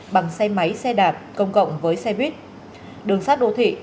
bằng xe máy xe đạp công cộng với xe buýt đường sát đô thị